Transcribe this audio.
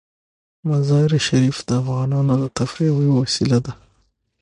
مزارشریف د افغانانو د تفریح یوه وسیله ده.